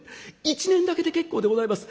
１年だけで結構でございます。